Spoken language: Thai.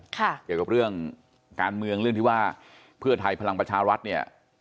เกี่ยวกับเรื่องการเมืองเรื่องที่ว่าเพื่อไทยพลังประชารัฐเนี่ย